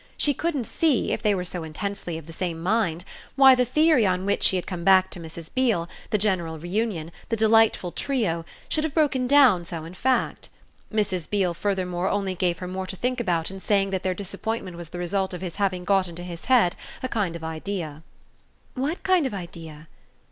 She couldn't see, if they were so intensely of the same mind, why the theory on which she had come back to Mrs. Beale, the general reunion, the delightful trio, should have broken down so in fact. Mrs. Beale furthermore only gave her more to think about in saying that their disappointment was the result of his having got into his head a kind of idea. "What kind of idea?"